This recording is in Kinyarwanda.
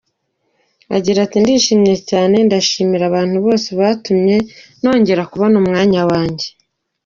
Agira ati “ Ndishimye cyane! Ndashimira abantu bose batumye nongera kubona umwana wanjye.